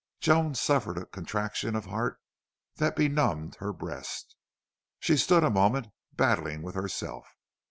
Joan suffered a contraction of heart that benumbed her breast. She stood a moment battling with herself.